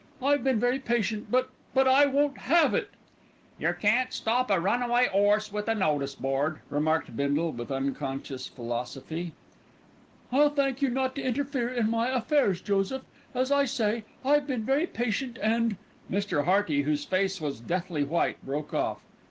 "I've been very patient, but but I won't have it." "Yer can't stop a runaway 'orse with a notice board," remarked Bindle with unconscious philosophy. "I'll thank you not to interfere in my affairs, Joseph. As I say, I've been very patient and, and " Mr. Hearty, whose face was deathly white, broke off.